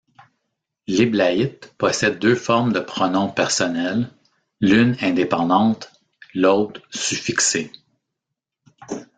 L’éblaïte possède deux formes de pronoms personnels, l’une indépendante, l’autre suffixée.